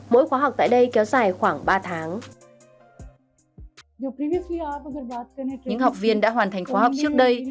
nhiều học viên đã hoàn thành khóa học trước đây